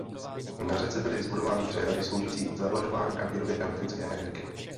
Na řece byly zbudovány přehrady sloužící k zavlažování i výrobě elektrické energie.